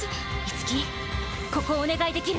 樹ここお願いできる？